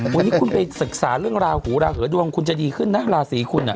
วันนี้คุณไปศึกษาเรื่องราหูราเหอดวงคุณจะดีขึ้นนะราศีคุณ